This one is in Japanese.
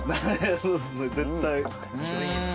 そうですね絶対。